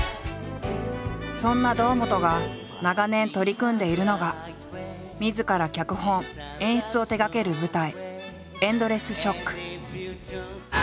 そんな堂本が長年取り組んでいるのがみずから脚本演出を手がける舞台